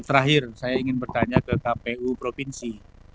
terakhir saya ingin bertanya ke kpu provinsi